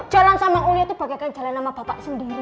jalan sama uya tuh bagaikan jalan sama bapak sendiri